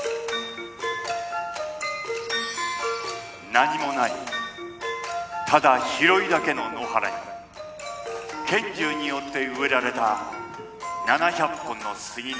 何もないただ広いだけの野原に虔十によって植えられた７００本の杉の苗。